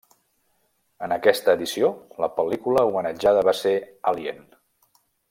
En aquesta edició la pel·lícula homenatjada va ser Alien.